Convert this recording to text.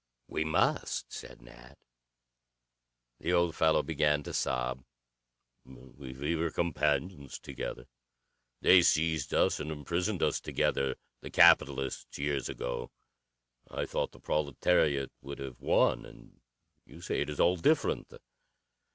"We must," said Nat. The old fellow began to sob. "We were companions together. They seized us and imprisoned us together, the capitalists, years ago. I thought the proletariat would have won, and you say it is all different.